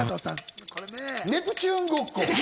ネプチューンごっこ。